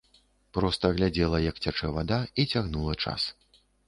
Проста глядзела, як цячэ вада, і цягнула час.